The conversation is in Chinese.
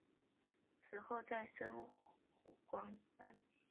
此后再升湖广按察使。